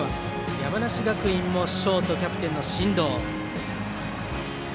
山梨学院のショートキャプテン、進藤。